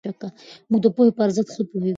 موږ د پوهې په ارزښت ښه پوهېږو.